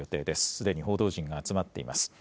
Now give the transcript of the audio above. すでに報道陣が集まっています。